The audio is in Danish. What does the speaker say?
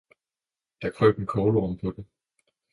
der krøb en kålorm på den.